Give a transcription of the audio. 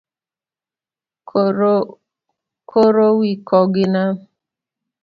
korowikoginambaapar gi ang'wen e wi piero abich ok en wiko